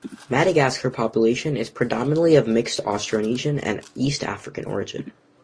Madagascar's population is predominantly of mixed Austronesian and East African origin.